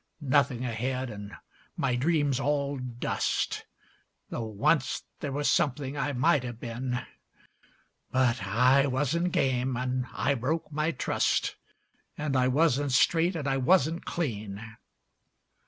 Nothing ahead, and my dreams all dust, Though once there was something I might have been, But I wasn't game, and I broke my trust, And I wasn't straight and I wasn't clean."